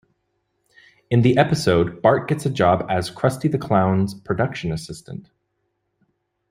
In the episode, Bart gets a job as Krusty the Clown's production assistant.